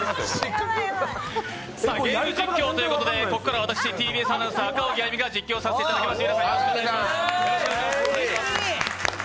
ゲーム実況ということで、ここからはＴＢＳアナウンサー、赤荻歩が実況させていただきます。